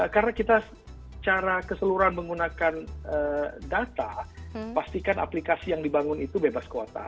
karena kita cara keseluruhan menggunakan data pastikan aplikasi yang dibangun itu bebas kuota